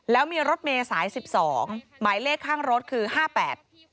แล้วมีรถเมย์สายสิบสองหมายเลขข้างรถคือห้าแปด